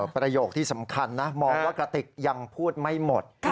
ประโยคที่สำคัญนะมองว่ากระติกยังพูดไม่หมด